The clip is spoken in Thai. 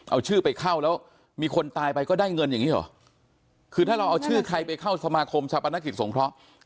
เอาชื่อไปเข้าแล้วมีคนตายไปก็ได้เงินอย่างนี้หรอคือถ้าเราเอาชื่อใครไปเข้าสมาคมชาปนกิจสงเคราะห์